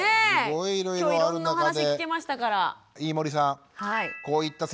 今日いろんなお話聞けましたから。